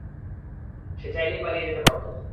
সে চাইলেই পালিয়ে যেতে পারত।